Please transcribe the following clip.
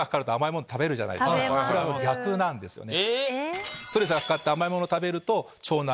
それは逆なんですよね。